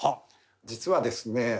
実はですね